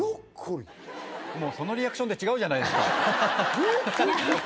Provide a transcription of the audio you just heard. もうそのリアクションで違うじゃないですか冷凍ブロッコリー？